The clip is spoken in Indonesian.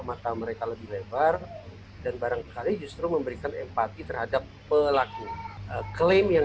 mata mereka lebih lebar dan barangkali justru memberikan empati terhadap pelaku klaim yang